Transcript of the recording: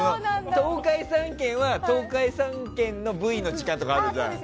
東海３県は東海３県のＶの時間とかあるじゃん。